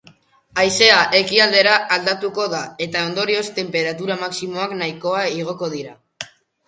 Haizea ekialdera aldatuko da eta ondorioz, tenperatura maximoak nahikoa igoko dira.